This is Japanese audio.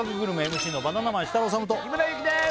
ＭＣのバナナマン設楽統と日村勇紀です